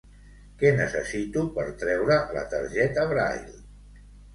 Què necessito per treure la targeta Braille?